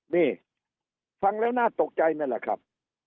นี่ฟังแล้วน่าตกใจไหมล่ะครับ